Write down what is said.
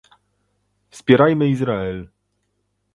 Wspierajmy Izrael